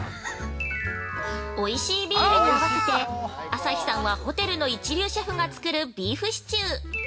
◆おいしいビールに合わせて朝日さんは、ホテルの一流シェフが作るビーフシチュー。